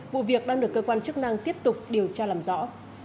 vụ việc đang được cơ quan chức năng tiếp tục điều tra làm rõ